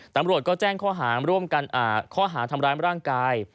ตำรวจก็แจ้งข้อหาทำร้ายร่างกาย